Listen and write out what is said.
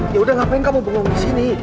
ya udah ngapain kamu bangun di sini